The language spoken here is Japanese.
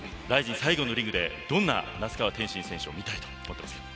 最後のリングでどんな那須川天心選手を見たいと思っていますか。